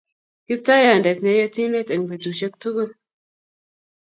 Kiptaiyandet ne Yetindet en betushek tugul